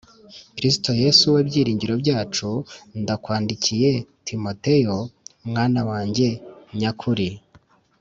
Kristo Yesu we byiringiro byacu d ndakwandikiye Timoteyo e mwana wanjye nyakuri f